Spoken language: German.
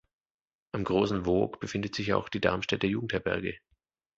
Am Großen Woog befindet sich auch die Darmstädter Jugendherberge.